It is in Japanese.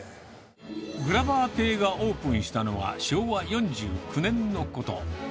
グラバー亭がオープンしたのは昭和４９年のこと。